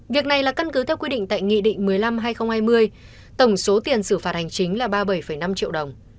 việc này là căn cứ theo quy định tại nghị định một mươi năm hai nghìn hai mươi tổng số tiền xử phạt hành chính là ba mươi bảy năm triệu đồng